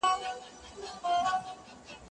زه مخکي واښه راوړلي وو،